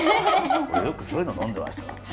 俺よくそういうの呑んでましたからね。